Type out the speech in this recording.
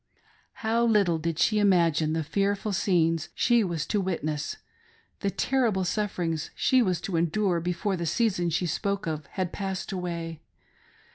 How little did she imagine the fearful scenes she was to witness — the terrible sufferings she was to endure before the season she spoke of had passed away.